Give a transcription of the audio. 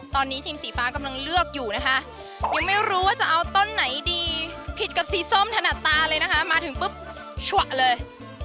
ตอนนี้ทีมสีฟ้ากำลังเลือกอยู่นะคะยังไม่รู้ว่าจะเอาต้นไหนดีผิดกับสีส้มถนัดตาเลยนะคะมาถึงปุ๊บฉวะเลย